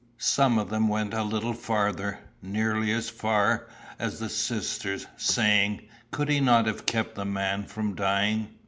"Some of them went a little farther, nearly as far as the sisters, saying, 'Could he not have kept the man from dying?